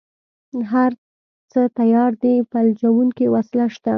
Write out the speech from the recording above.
هره څه تيار دي فلجوونکې وسله شته.